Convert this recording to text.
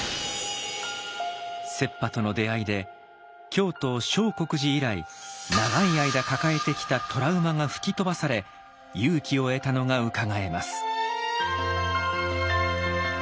浙派との出会いで京都相国寺以来長い間抱えてきたトラウマが吹き飛ばされ勇気を得たのがうかがえます。